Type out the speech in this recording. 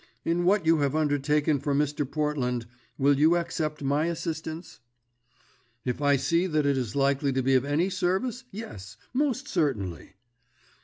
"In what you have undertaken for Mr. Portland, will you accept my assistance?" "If I see that it is likely to be of any service, yes, most certainly."